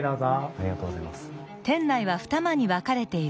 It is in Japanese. ありがとうございます。